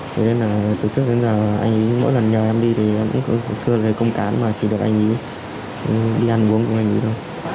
thế nên là từ trước đến giờ anh ấy mỗi lần nhờ em đi thì cũng có sự công tán mà chỉ được anh ấy đi ăn uống cùng anh ấy thôi